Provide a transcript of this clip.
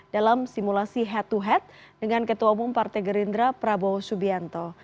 dalam simulasi head to head dengan ketua umum partai gerindra prabowo subianto